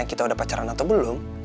kita udah pacaran atau belum